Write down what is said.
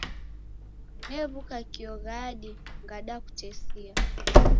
New'uka kio ghadi ngandakutesia.